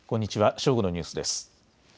正午のニュースです。